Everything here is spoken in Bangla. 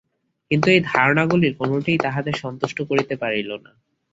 কিন্তু এই ধারণাগুলির কোনটিই তাঁহাদের সন্তুষ্ট করিতে পারিল না।